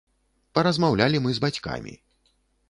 Паразмаўлялі мы з бацькамі.